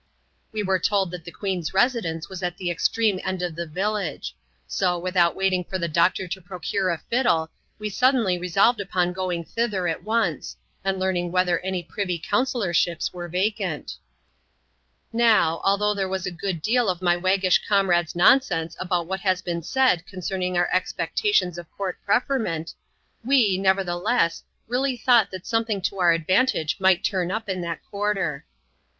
We were told that the queen's residence was at the extreme end of the village ; so, without waiting for the doctor to procure a fiddle, we suddenly resolved upon going thither at once, and learning whether any privy councillorships were vacant. Now, although there ^was a good deal of my waggish cc«n rade's nonsense about what has been said concerning our ex pectations of court preferment, we, nevertheless, really thought that something to our advantage might turn up in that quarter.